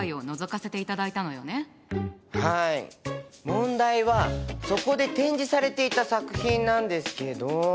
問題はそこで展示されていた作品なんですけど。